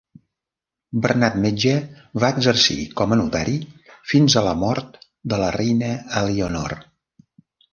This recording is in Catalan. Bernat Metge va exercir com a notari fins a la mort de la reina Elionor.